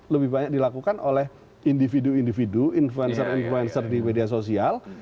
lebih banyak dilakukan oleh individu individu influencer influencer di media sosial